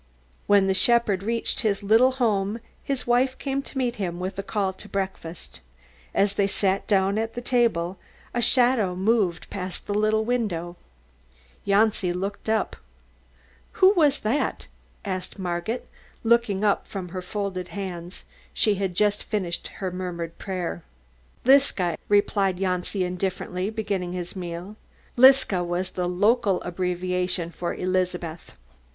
When the shepherd reached his little home, his wife came to meet him with a call to breakfast. As they sat down at the table a shadow moved past the little window. Janci looked up. "Who was that?" asked Margit, looking up from her folded hands. She had just finished her murmured prayer. "Pastor's Liska," replied Janci indifferently, beginning his meal. (Liska was the local abbreviation for Elizabeth.)